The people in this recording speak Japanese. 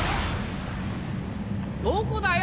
どこだよ